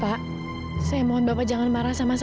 pak saya mohon bapak jangan marah sama saya